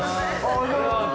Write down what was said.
おはようございます。